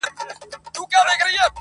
فکر مې وکړ، چې